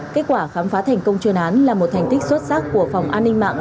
kết quả khám phá thành công chuyên án là một thành tích xuất sắc của phòng an ninh mạng